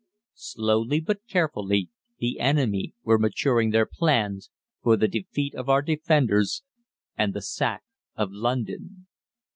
Slowly but carefully the enemy were maturing their plans for the defeat of our defenders and the sack of London.